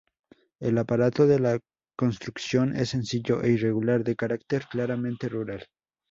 El aparato de la construcción es sencillo e irregular, de carácter claramente rural.